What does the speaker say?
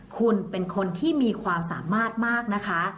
คุณเป็นคนที่มีความสามารถมากนะคะ